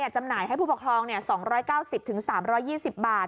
จำหน่ายให้ผู้ปกครอง๒๙๐๓๒๐บาท